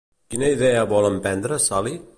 Quina idea vol emprendre Salih?